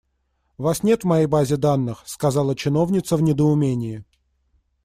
«Вас нет в моей базе данных», - сказала чиновница в недоумении.